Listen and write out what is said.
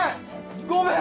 ごめん！